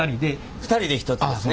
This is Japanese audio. ２人で１つですね。